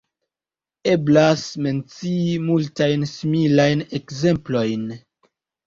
Eblas mencii multajn similajn ekzemplojn.